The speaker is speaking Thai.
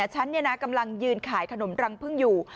ฉันกำลังยืนขายขนมรังพึ่งอยู่